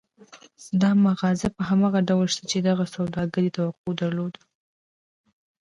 دا مغازه په هماغه ډول شته چې دغه سوداګر يې توقع درلوده.